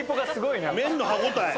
麺の歯応え。